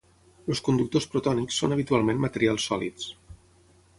Els conductors protònics són habitualment materials sòlids.